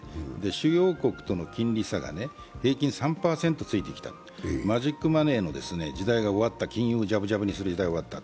主要国との金利差が平均３％ついてきたマジックマネーの時代が終わった、金融をじゃぶじゃぶにする時代は終わった。